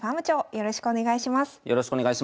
よろしくお願いします。